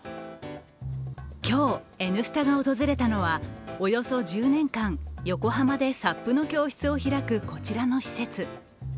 今日、「Ｎスタ」が訪れたのは、およそ１０年間、横浜でＳＵＰの教室を開くこちらの施設。